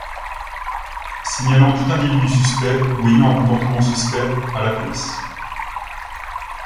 Signalant tout individu suspect, ou ayant un comportement suspect, à la Police.